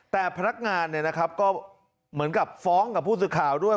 แต่พนักงานเนี่ยนะครับก็เหมือนกับฟ้องกับผู้สื่อข่าวด้วย